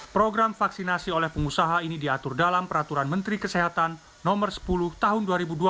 program vaksinasi oleh pengusaha ini diatur dalam peraturan menteri kesehatan no sepuluh tahun dua ribu dua puluh